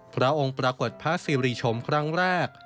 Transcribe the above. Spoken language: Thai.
พระองค์ปรากฏพระศิริชมครั้งแรก